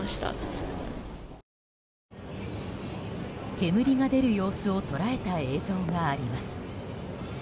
煙が出る様子を捉えた映像があります。